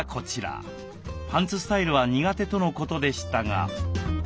パンツスタイルは苦手とのことでしたが。